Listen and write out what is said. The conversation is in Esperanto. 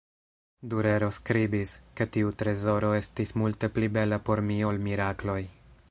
Durero skribis, ke tiu trezoro "estis multe pli bela por mi ol mirakloj.